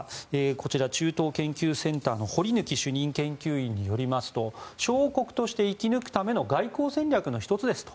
こちら、中東研究センターの堀拔主任研究員によりますと小国として生き抜くための外交戦略の１つですと。